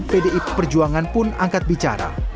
pdi perjuangan pun angkat bicara